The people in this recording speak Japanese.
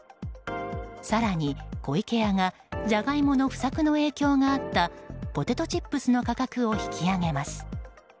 更に、湖池屋がジャガイモの不作の影響があったポテトチップスの価格を引き上げます。